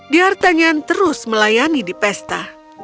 diatanyan terus melayani di pesta